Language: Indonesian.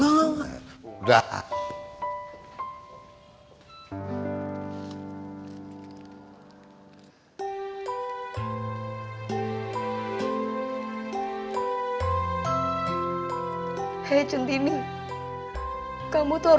enggak enggak enggak